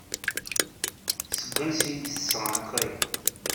Seg wansi ay d-tesɣa akk aya?